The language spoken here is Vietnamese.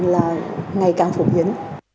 là ngày càng phổ biến